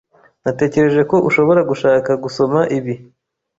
Natekereje ko ushobora gushaka gusoma ibi.